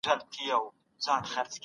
ماشینونه کارونه چټکوي.